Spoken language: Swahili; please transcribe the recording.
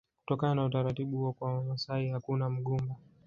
Kutokana na utaratibu huo kwa Wamasai hakuna mgumba